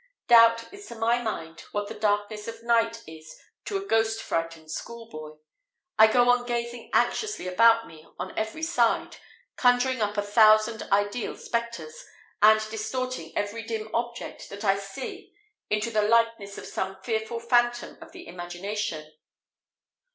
Doubt is to my mind what the darkness of night is to a ghost frightened school boy I go on gazing anxiously about me on every side, conjuring up a thousand ideal spectres, and distorting every dim object that I see into the likeness of some fearful phantom of the imagination.